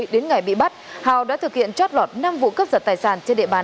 đến ngày bị bắt hào đã thực hiện trót lọt năm vụ cướp giật tài sản trên địa bàn